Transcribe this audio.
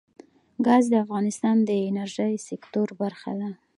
ګاز د افغانستان د انرژۍ سکتور برخه ده.